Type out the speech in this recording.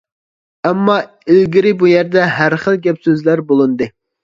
ئەمما ئىلگىرى بۇ يەردە ھەر خىل گەپ-سۆزلەر بولۇندى.